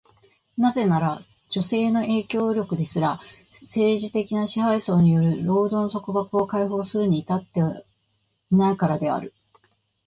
なぜなら、女性の影響力ですら、政治的な支配層による労働の束縛を解放するには至っていないからである。